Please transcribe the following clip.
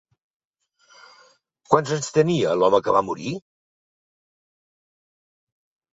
Quants anys tenia l'home que va morir?